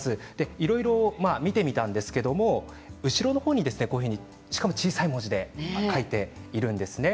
いろいろ見てみたんですけど後ろの方に、しかも小さい文字で書いているんですね。